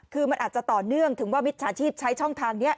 คือมันอาจจะต่อเนื่องถึงว่ามิจฉาชีพใช้ช่องทางนี้